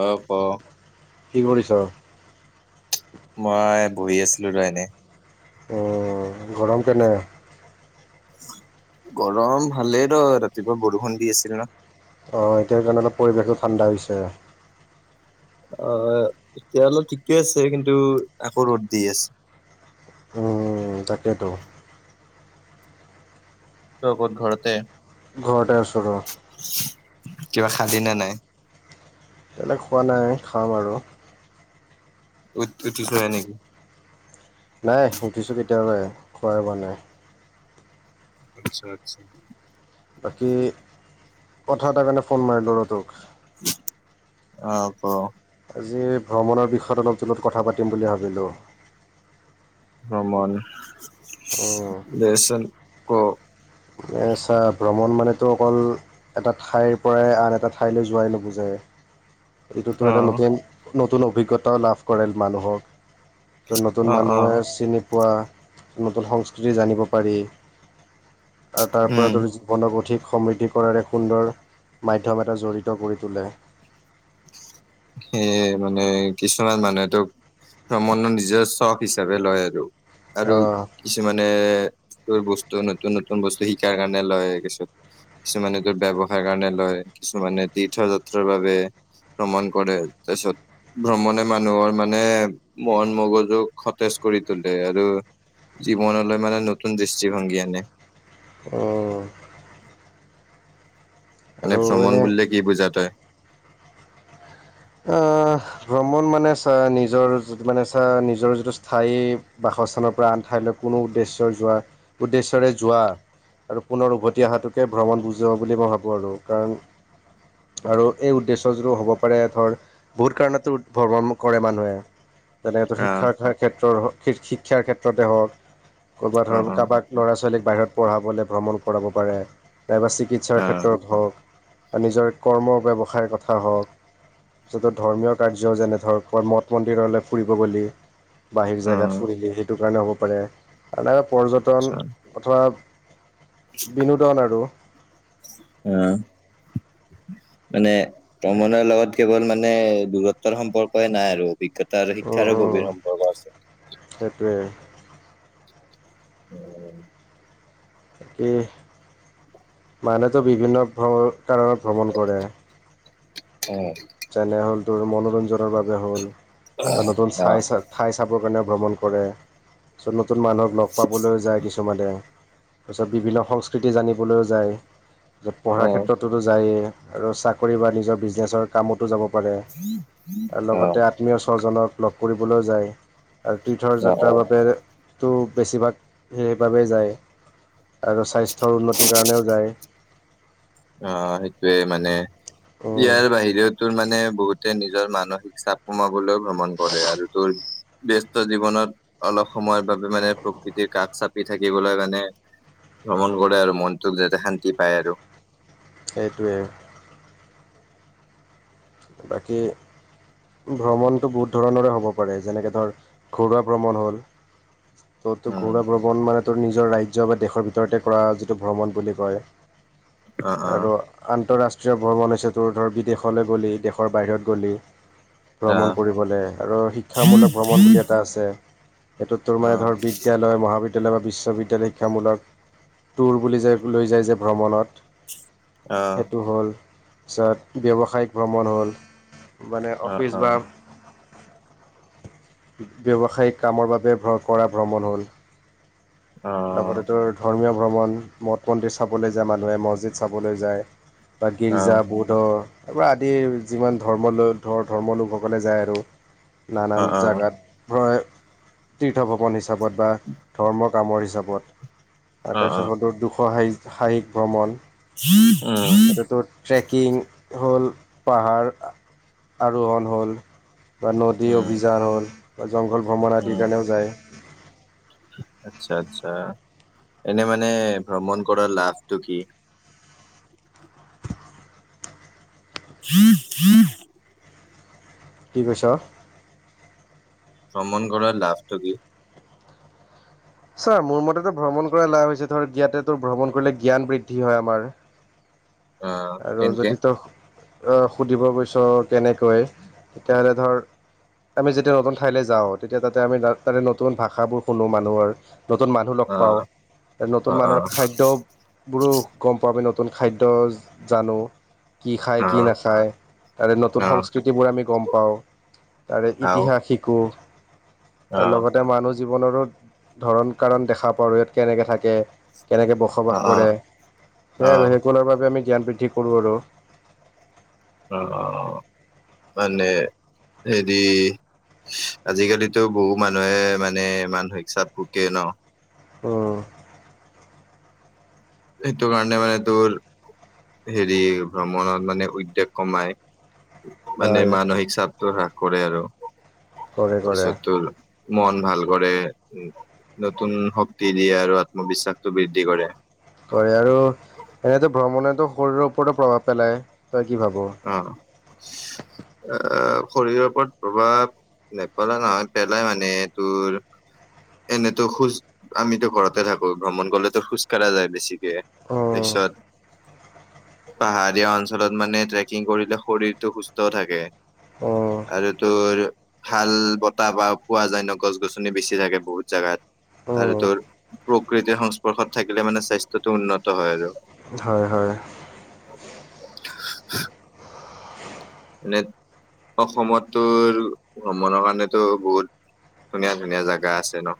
অহ ক কি কৰিছ? মই বহি আছিলো দেই এনেই গৰম কেনে? গৰম ভালেই ৰ ৰাতিপুৱা বৰষুণ দি আছিল ন অঁ এতিয়া কাৰণে পৰিৱেশো ঠাণ্ডা হৈছে অ তেতিয়াহ'লে ঠিকে আছে কিন্তু আকৌ ৰ'দ দি আছে। তাকেটো চৌবত ঘৰতে ঘৰটে আছোঁ ৰ। কিবা খালি নে নাই? এইবিলাক খোৱা নাই খাম আৰু। উত উথিচহে নেকি? নাই উথিছোঁ কেতিয়াবাই খোৱাই হোৱা নাই। আচ্ছা আচ্ছা। বাকী কথা এটাৰ কাৰণে ফোন মাৰিলো ৰ টোক? অ ক আজি ভ্ৰমণৰ বিষয়ত অলপ জলত কথা পাতিম বুলি ভাবিলোঁ। ভ্ৰমন উম দে'চোন ক? ছা ভ্ৰমণ ভ্ৰমণ মানেতো অকল এটা ঠাইৰ পৰাই আন এটা ঠাইলৈ যোৱাই নুবুজায় এইটোতো অ এটা নতেন নতুন অভিজ্ঞতাও লাভ কৰে মানুহক, ত নতুন অ অ মানুহে চিনি পোৱা নতুন সংস্কৃতি জানিব পাৰি, আৰু তাৰ পৰা উম যদি জীৱনক অধিক সমৃদ্ধি কৰাৰ এক সুন্দৰ মাধ্যম এটা জড়িত কৰি তোলে। [inaudible] সেয়ে মানে কিছুমান মানুহেতোক ভ্ৰমণৰ নিজৰ চখ হিচাপে লয় আৰু, আৰু আহ কিছুমানে বয় বস্তু নতুন -নতুন বস্তু শিকাৰ কাৰণে লয় কিছত কিছুমানে তোৰ ব্যৱসায়ৰ কাৰণে লয়, কিছুমানে তীৰ্থ যাত্ৰাৰ বাবে ভ্ৰমণ কৰে তাৰপিছত ভ্ৰমণে মানুহৰ মানে মন- মগজু সতেজ কৰি তোলে আৰু জীৱনলৈ মানে নতুন দৃষ্টিভংগী আনে। অ মানে ভ্ৰমণ এনে বুলিলে কি বুজা তই? ভ্ৰমণ মানে চা নিজৰি মানে চা নিজৰ যিটো স্থায়ী বাস্থানৰ পৰা আন ঠাইলৈ কোনো উদ্দেশ্য যোৱা উদ্দেশ্যৰে যোৱা আৰু পুনৰ উভতি অহাটোকে ভ্ৰমণ বুজা বুলি মই ভাবোঁ আৰু কাৰণ আৰু এই উদ্দেশ্য যিটো হ'ব পাৰে ধৰ বহুত কাৰণেত ভ্ৰমণ কৰে মানুহে যেনে অ শিক্ষা ক্ষেত্ৰৰ শিক্ষাৰ ক্ষেত্ৰতে হওক, ক'ৰবাত অ ধৰক অ কাৰোবাক ল'ৰা-ছোৱালীক বাহিৰত পঢ়াবলৈ ভ্ৰমণ কৰাব পাৰে, নাইবা চিকিৎসাৰ অ ক্ষেত্ৰত হওক নিজৰ কৰ্ম ব্যৱসায়ৰ কথা হওঁক, য' ধৰ্মীয় কাৰ্য যেনে ধৰক মঠ- মন্দিৰলৈ ফুৰিব গ'লি বাহিৰ অ জেগাত ফুৰিলি সেইটো কাৰণে হ'ব পাৰে আৰুনাইবা পৰ্যটন আচ্ছা অথোৱা বিনোদন আৰু? অ মানে ভ্ৰমণৰ লগত কেৱল মানে দূৰত্বৰ সম্পৰ্কে নাই আৰু, অভিজ্ঞতা আৰু উম শিক্ষাৰো উম গভীৰ সম্পৰ্ক আছে। সেইটোৱে উম কিহ মানুহতো বিভিন্ন কাৰণত ভ্ৰমণ কৰে। অ যেনে হ'ল মনোৰঞ্জনৰ বাবে হ'ল, বা নতুন অ চাইছা থাইচাপ কাৰণে ভ্ৰমণ কৰে, নতুন মানুহক লগ পাবলৈ যায় কিছুমানে, তাৰপিছত বিভিন্ন সংস্কৃতি জানিবলৈও যায়, তাৰপিছত অ পঢ়াৰ ক্ষেত্ৰততো যায়েই আৰু চাকৰি বা নিজৰ বিজনেচৰ কামতো যাব প পাৰে আৰু অ লগতে আত্মীয় স্বজনক লগ কৰিবলৈও যায়, আৰু তীৰ্থৰ অ অ যাত্ৰাৰ বাবেতো বেছিভাগ সেইবাবেই যায়, আৰু স্বাস্থ্যৰ উন্নতিৰ কাৰণেও যায়, অ' সেইটোয়ে মানে, ইয়াৰ বাহিৰেও তো মানে বহুতে নিজৰ মানসিক চাপ কমাবলৈ ভ্ৰমণ কৰে, আৰু তোৰ ব্যস্ত জীৱনত, অলপ সময়ৰ বাবে মানে প্ৰকৃতিৰ কাষ চাপি থাকিবলৈ মানে ভ্ৰমণ কৰে আৰু মনটোক যাতে শান্তি পায় আৰু। সেইটোৱেই বাকী ভ্ৰমণটো বহুত ধৰণৰে হ'ব পাৰে, যেনেকে ধৰ ঘৰুৱা ভ্ৰমণ হ'ল। ত' তোৰ উম ঘৰুৱা ভ্ৰমণ মানে, তোৰ নিজৰ ৰাজ্য বা দেশৰ ভিতৰতে কৰা যিটো ভ্ৰমণ বুলি কয়। অ আৰু আন্তঃৰাষ্ট্ৰীয় ভ্ৰমণ হৈছে, তোৰ ধৰ বিদেশলৈ গলি। দেশৰ বাহিৰত গ'লি ভ্ৰমণ অ কৰিবলে আৰু শিক্ষামূলক ভ্ৰমণ বুলি এটা আছে। এইটো তোৰ অ অ মানে ধৰ বিদ্যালয়, মহাবিদ্যায় বা বিশ্ববিদ্যালয় শিক্ষামূলক, টুৰ বুলি যে লৈ যায় যে ভ্ৰমণত। অ অ সেইটো হ'ল, পিছত ব্যৱসায়িক ভ্ৰমণ হ'ল। মানে অফিচ অ বা ব্যৱসায়িক কামৰ বাবে ভ্ৰ কৰা ভ্ৰমণ হ'ল। অ লগতে তো ধৰ্মীয় ভ্ৰমণ মঠ-মন্দিৰ চাবলৈ যায় মানুহে, মছজিদ চাবলৈ যায়। বা অ গীৰ্জা বড তাৰ পৰা আদি যিমান ধৰ্ম ধৰ্ম লোকসকলে যায় আৰু। না নান অ জাগাত তীৰ্থ ভৱন হিচাপত বা ধৰ্মক কামৰ হিচাপত আৰু অ অ অ তাৰপিছত তো দুশ সাহ সাহিক ভ্ৰমণ উম এইটো ট্ৰেকিং হ'ল পাহাৰ আৰোহণ হ'ল। বা নদী উম অভিজাৰ হ'ল, বা জংঘল ভ্ৰমণ উম আদিৰ কাৰণেও যায়। আচ্ছা আচ্ছা, এনে মানে ভ্ৰমণ কৰাৰ লাভটো কি? হম' হম' কি কৈছ? ভ্ৰমণ কৰাৰ লাভটো কি? ছা, মোৰ মতেতো ভ্ৰমণ কৰা লাভ হৈছে ধৰ জ্ঞাতে তো ভ্ৰমণ কৰিলে জ্ঞান বৃদ্ধি হয় আমাৰ। অ আৰু তেনকে যদি তো সুধিব বিছাৰ কেনেকৈ তেতিয়াহ'লে ধৰ আমি যেতিয়া নতুন ঠাইলৈ যাওঁ, তেতিয়া তাতে আমি তা নতুন ভাষাবোৰ শুনো মানুহৰ। নতুন মানুহ লগ অ পাওঁ, নতুন অ অ মানুহৰ খাদ্যবোৰো গম পাবি ন নতুন খাদ্য জানো কি খায়, অ অ কি নাখায়, তাৰে নতুন অ সংস্কৃতিবোৰ আমি গম পাওঁ। তাৰে আও ইতিহাস শিকোঁ। অ আৰু লগতে মানুহ জীৱনৰো ধৰণ কাৰণ দেখা পাওঁ, ইয়াত কেনেকে থাকে। কেনেকে অ', বসবাস কৰে, অ', সেই আৰু অ', সেইকলৰ বাবে আমি জ্ঞান বৃদ্ধি কৰোঁ আৰু। অ' মানে, হেৰি আজিকালিতো বহু মানুহে মানে মানসিক চাপ ভোকে ন, উম' সেইটো কাৰণে মানে তোৰ হেৰি ভ্ৰমণত মানে উইদেগ কমাই, মানে হয় মানসিক চাপ ত হাস কৰে আৰু, কৰে কৰে তাৰপিছত তোৰ মন ভাল কৰে, নতুন শক্তি দিয়ে, আৰু আত্মবিশ্বাসটো বৃদ্ধি কৰে। কৰে আৰু এনেত ভ্ৰমণে টো শৰীৰৰ ওপৰতো প্ৰভাৱ পেলায়। তই কি ভাব অহ' আহ শৰীৰৰ ওপৰত প্ৰভাৱ নেপেলা নহয় পেলাই মানে তোৰ এনেতো খোজ, আমিতো ঘৰতে থাকো ভ্ৰমণ কৰিলেতো খোজ কঢ়া যায় বেছি। উম তাৰপিছত পাহাৰীয়া অঞ্চলত মানে টো টিং কৰিলে শৰীৰতটো সুস্থ থাকে উম আৰু তোৰ ভাল বতাহ বা পোৱা যায় ন। গছ গছনি বেছি থাকে বহুত জাগাত। আৰু উম তোৰ প্ৰকৃতিৰ সংস্পৰ্শত থাকিলে মানে স্বাস্থ্যটো উন্নত হয় আৰু হয় হয়। [inaudible] এনে অসমতো ভ্ৰমণৰ কাৰণেতো বহুত ধুনীয়া ধুনীয়া জাগা আছে ন।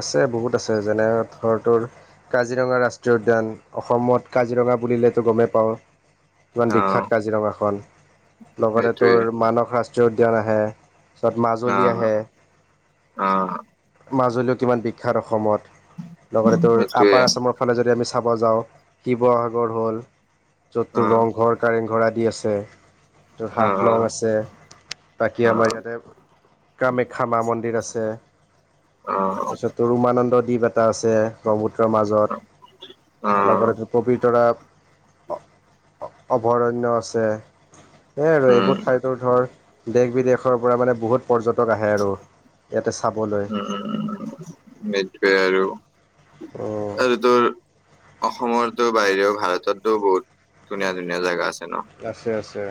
আছে বহুত আছে যেনে ধৰ তোৰ কাজিৰঙা ৰাষ্ট্ৰীয় উদ্যান অসমত কাজিৰ কা বুলিলেতো গমেই পাওঁ। ইমান অ বিখ্যাত কাজিৰঙাখন লগতে সেইটোৱে তোৰ মানস ৰাষ্ট্ৰীয় উদ্যান আহে। তাৰপিছত অ মাজুলী আহে অ মাজুলীও কিমান বিখ্যাত অসমত। লগতে তোৰ সেইটোৱে আপাৰ আছামৰ ফালে যদি আমি চাব যাওঁ শিৱসাগৰ হ'ল য'ত অ তোৰ ৰংঘৰ কাৰেংঘৰ আদি আছে য'ত অ হাফ লং আছে। বাকী অ আমাৰ ইয়াতে কামাখ্যা মা মন্দিৰ আছে। অ তাৰপিছত উমানন্দ দ্বীপ এটা আছে ব্ৰ প মাজত অ আৰু লগতে তোৰ পবিতৰা। অভয়াৰণ্য আছে। সেয়াই আৰু উম এইবোৰ ঠাইটোৰ ধৰ দেশ বিদেশৰ পৰা মানে বহুত পৰ্যটক আহে আৰু ইয়াতে চাবলৈ। মট আৰু উম আৰু তোৰ অসমৰতো বাহিৰেও ভাৰততো বহুত ধুনীয়া ধুনীয়া জাগা আছে। ন আছে আছে।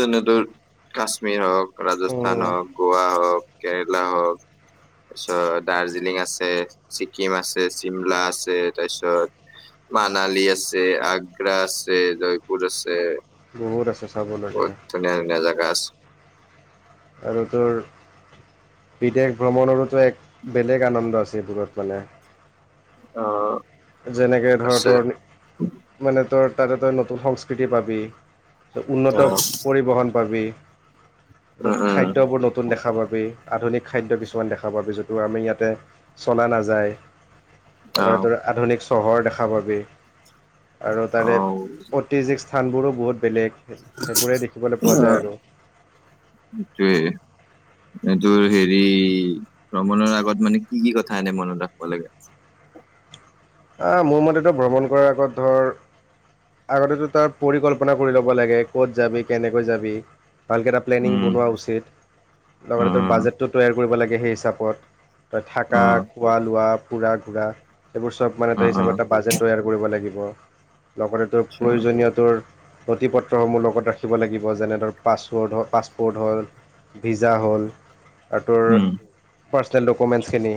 তেনেদৰ কাশ্মীৰ হওক উম ৰাজস্থান হওক গোৱা হওক। কেৰেলা হওক। তাৰপিছত দাৰ্জিলিং আছে, ছিকিম আছে চিমলা আছে তাৰপিছত মানালী আছে, আগ্ৰা আছে, জয়পুৰ আছে। বহুত আছে। ব চাবলগীয়া ধুনীয়া ধুনীয়া জেগা আছে। এনেটোৰ। বিদেশ ভ্ৰমণৰোতো এক বেলেগ আনন্দ আছিল দূৰত মানে অ' যেনেকে ধৰ আছে তোৰ মানে তোৰ তাত এটা‌ নতুন সংস্কৃতি পাবি। অ উন্নত পৰিবহন পাবি। য'ত উম উম খাদ্যবোৰ নতুন দেখা পাবি। আধুনিক খাদ্য কিছুমান দেখা পাব যিটো আমি ইয়াতে চলা নাযায়। অ আ আধুনিক চহৰ দেখা পাবি আৰু তাৰে অ ঐতিহিক স্থানবোৰো বহুত বেলেগ সেইবোৰে দেখিবলৈ পোৱা যায় আৰু সেইটোৱে এইটোৰ হেৰি ভ্ৰমণৰ আগত মানে কি কি কথা এনে মনত ৰাখিব লাগে। মোৰ মতেতো ভ্ৰমণ কৰাৰ আগত ধৰ আগতেতো তাৰ পৰিকল্পনা কৰি ল'ব লাগে ক'ত যাবি কেনেকৈ যাবি? ভালকৈ এটা প্লেনিং উম বনোৱা উচিত লগতে তোৰ উম বাজেটো তৈয়াৰ কৰিব লাগে সেই হিচাপত। তই থাকা উম খোৱা লোৱা ফুৰা ঘূৰা সেইবোৰ চব মানে তই হিচাপত এটা বাজেট তৈয়াৰ কৰিব লাগিব। লগতে তোৰ প্ৰয়োজনীয় তোৰ নথি পত্ৰসমূহ লগত ৰাখিব লাগিব। যেনে ধৰ পাছৰ্ পাছপৰ্ড হ'ল। ভিজা হ'ল। আৰু তোৰ পাৰ্চনেল ডকুমেণ্টছখিনি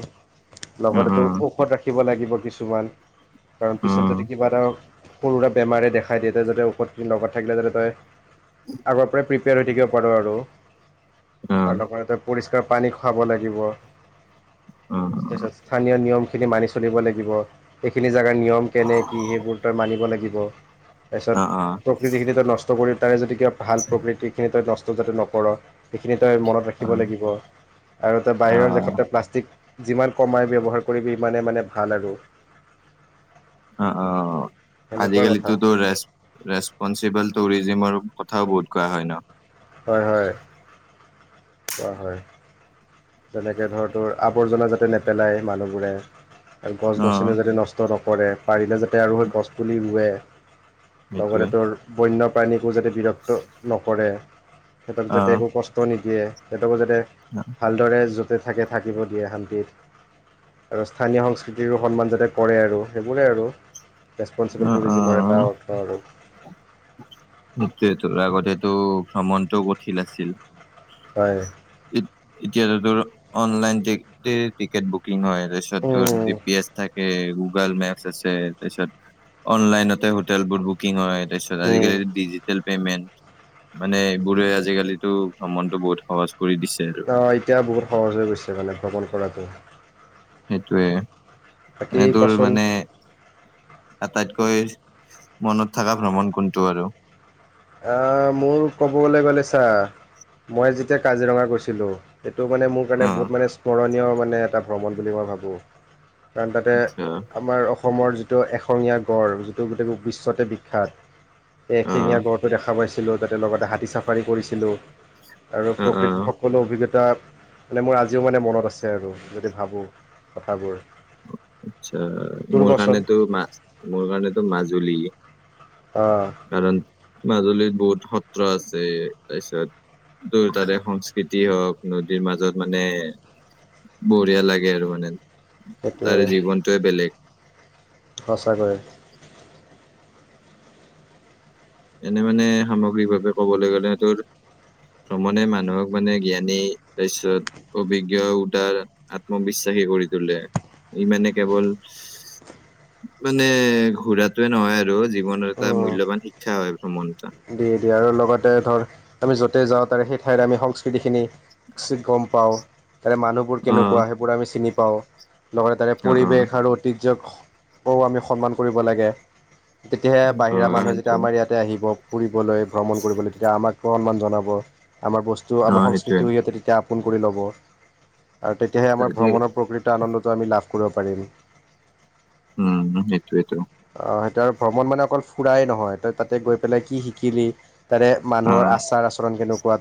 লগতে তোৰ ঔষধ ৰাখিব লাগিব। কিছুমান কিছুমান কাৰণ পিছত যদি কিবা এটা সৰু সুৰা বেমাৰে দেখাই দিয়ে ত যাতে ঔষধ লগত থাকিলে যাতে তই আগৰ পৰাই থাকিব পাৰোঁ আৰু ত লগতে পৰিষ্কাৰ পানী খোৱাব লাগিব। তাৰপিছত স্থানীয় নিয়মখিনি মানি চলিব লাগিব। এইখিনি জাগাৰ নিয়ম কেনে কি সেইবোৰ তই মানিব লাগিব। তাৰপিছত প্ৰকৃতি খিনি ত নষ্ট কৰি তাৰে যদি কিবা ভাল প্ৰকৃতি খিনি তই নষ্ট যাতে নকৰ সেইখিনি তই মনত ৰাখিব লাগিব আৰু তই বাহিৰৰ দেশতে প্লাষ্টিক যিমান কমাই ব্যৱহাৰ কৰিবি হিমানে মানে ভাল আৰু অ' অ' সেনেকুৱা কথা আজিকালিতোতো ৰেচপনচিবল টুৰিজিমৰ কথাও বহুত কোৱা হয় ন হয় হয়। কোৱা হয় যেনেকে ধৰতৰ আৱৰ্জনা যাতে নেপেলায়। মানুহবোৰে আৰু গছ অঁ, গছনি যাতে নষ্ট নকৰে পাৰিলে যাতে আৰু স গছ পুলি ৰুৱে লগতে সেইটোৱে। তোৰ বন্যপ্ৰাণীকো যাতে বিৰক্ত নকৰে। সিহঁতক যাতে অঁ, একো কষ্ট নিদিয়ে। সিহঁতকো যাতে ভদৰে য'তে থাকে থাকিব দিয়ে শান্তিত আৰু স্থানীয় সংস্কৃতিৰো সন্মান যাতে কৰে আৰু সেইবোৰে আৰু ৰেচপনচিবল অঁ, টুৰিজিমৰ অঁ, এটা অৰ্থ আৰু সেইটোৱে তোৰ আগতেতো ভ্ৰমণটো কঠিল আছিল। হয়। এতিয়াটো তোৰ অনলাইন কেট বুকিং হয়। প্ৰছত ত উম জি পি এছ থাকে। গুগল মেপছ আছে তাৰপিছত অনলাইনতে হোটেল বোৰ বুকিং হয়। ত উম আজিকালি এই ডিজিটেল মানে এইবোৰে আজিকালিটো ভ্ৰমণতটো বহুত সহজ কৰি দিছে আৰু অ এতিয়া বহুত সহজ হৈ গৈছে মানে ভ্ৰমণ কৰাতটো সেইটোৱে বাকী এনে টোৰ কচোন মানে আটাইতকৈ মনত থকা ভ্ৰমণ কোনটো আৰু আহ মোৰ ক'বলৈ গ'লে ছা মই যেতিয়া কাজিৰঙা গৈছিলো সেইটো মানে মোৰ কাৰণে অ বহুত মানে স্মৰণীয় মানে এটা ভ্ৰমণ বুলি মই ভাবোঁ কাৰণ তাতে আচ্ছা আমাৰ অসমৰ যি এশঙীয়া গড় যিটো গোটেই বিশ্বতে বিখ্যাত এই অ এশিঙীয়া গড়টো খ পাইছিলোঁ তাতে লগতে হাতী চাফাৰী কৰিছিলোঁ আৰু অ অ প্ৰকৃতিৰ সকলো অভিজ্ঞতা মানে মোৰ আজিও মানে মনত আছে আৰু যদি ভাবোঁ কথাবোৰ আচ্ছা তোৰ মোৰ কচোন কাৰণেতো ম মোৰ কাৰণেতো মাজুলী অঁ কাৰণ মাজুলীত বহুত সত্ৰ আছে তাৰপিছত তাৰে সংস্কৃতি হওক নদীৰ মাজত মানে বঢ়িয়া লাগে আৰু মানে সেইটোৱে তাৰে জীৱনটোয়ে বেলেগ সঁচাকৈ এনে মানে সামগ্ৰিকভাৱে ক'বলৈ গ'লে স তোৰ ভ্ৰমণে মানুহক মানে জ্ঞানী তাৰিছত অভিজ্ঞ উদাৰ আত্মবিশ্বাস হে কৰি তলে ইমানে কেৱল মানে ঘুৰাটোৱে নহয় আৰু জীৱনৰ এটা মূল্যবান শিক্ষা হয় ভ্ৰমণটো দিয়ে দিয়ে আৰু লগতে ধৰ আমি য'তেই যাওঁ তাৰে সেই ঠাইত আমি সংস্কৃতিখিনি গম পাওঁ তাৰে মানুহবোৰ অ কেনেকুৱা সেইবোৰ আমি চিনি পাওঁ লগতে তাৰে অ অ পৰিৱেশ আৰু অতিক আমি সন্মান কৰিব লাগে। তেতিয়াহে অ বাহিৰা মানুহে যেতিয়া সেইটোৱে আমাৰ ইয়াতে আহিব ফুৰিবলৈ ভ্ৰমণ কৰিবলৈ তেতিয়া আমাক অমান আমাৰ বস্তু অ আম সেইটোৱে সংস্কৃতি সতে তেতিয়া আপোন কৰি ল'ব আৰু তেতিয়াহে আমাৰ তাকে ভ্ৰমণৰ প্ৰকৃত আনন্দটো আমি লাভ কৰিব পাৰিম উম এই টোৱেটো অ' সেইটো আৰু ভ্ৰমণ মানে অকল ফুৰাই নহয় ত তাতে গৈ পেলাই কি শিকিলি তাৰে মানুহৰ অ আচাৰ আচৰণ কেনেকুৱা